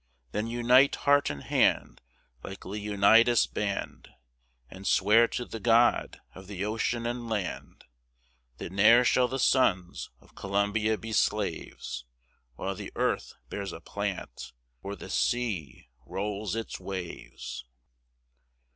Then unite heart and hand, Like Leonidas' band, And swear to the God of the ocean and land, That ne'er shall the sons of Columbia be slaves, While the earth bears a plant, or the sea rolls its waves.